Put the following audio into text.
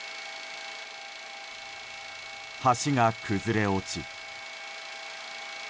橋が崩れ落ち。